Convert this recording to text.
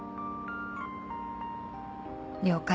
「了解」